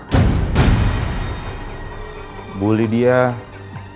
bagaimana cara ibu lydia menangani baskoro